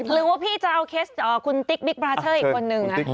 หรือว่าพี่จะเอาเคสคุณติ๊กบิ๊กบราเชอร์อีกคนนึง